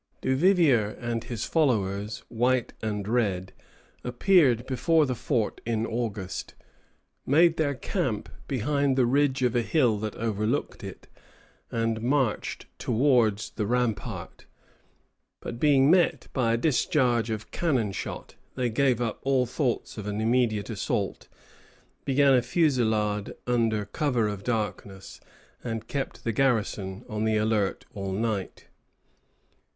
Duvivier and his followers, white and red, appeared before the fort in August, made their camp behind the ridge of a hill that overlooked it, and marched towards the rampart; but being met by a discharge of cannon shot, they gave up all thoughts of an immediate assault, began a fusillade under cover of darkness, and kept the garrison on the alert all night.